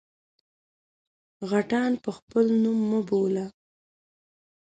_غټان په خپل نوم مه بوله!